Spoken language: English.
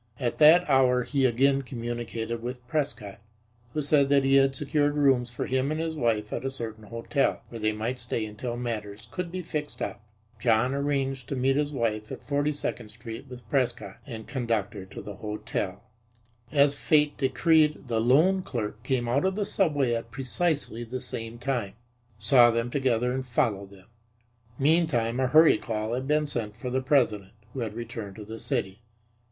At that hour he again communicated with Prescott, who said that he had secured rooms for him and his wife at a certain hotel, where they might stay until matters could be fixed up. John arranged to meet his wife at Forty second Street with Prescott and conduct her to the hotel. As Fate decreed, the loan clerk came out of the subway at precisely the same time, saw them together and followed them. Meantime a hurry call had been sent for the president, who had returned to the city.